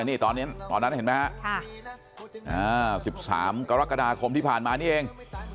นี่ตอนนั้นเห็นไหมฮะ๑๓กรกฎาคมที่ผ่านมานี่เอง